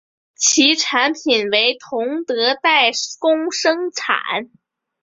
其产品为同德代工生产。